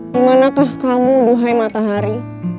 dimanakah kamu duhai matahari